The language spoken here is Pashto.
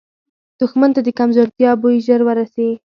دښمن ته د کمزورتیا بوی ژر وررسي